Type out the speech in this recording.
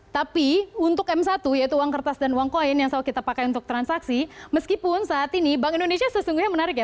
tapi untuk m satu yaitu uang kertas dan uang koin yang selalu kita pakai untuk transaksi meskipun saat ini bank indonesia sesungguhnya menarik ya